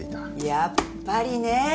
やっぱりね。